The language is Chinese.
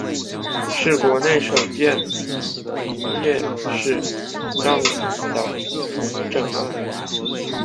是国内首件营业式让与的重整案。